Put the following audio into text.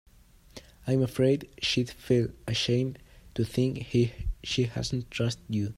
I'm afraid she'd feel ashamed to think she hadn't trusted you.